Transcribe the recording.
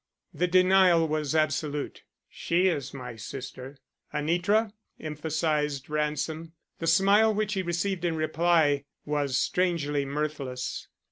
The denial was absolute. "She is my sister." "Anitra?" emphasized Ransom. The smile which he received in reply was strangely mirthless.